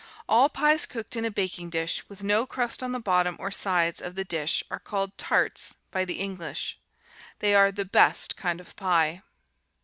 All pies cooked in a baking dish, with no crust on the bottom or sides of the dish, are called tarts by the English. They are the best kind of pie.